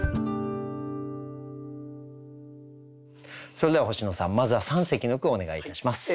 それでは星野さんまずは三席の句をお願いいたします。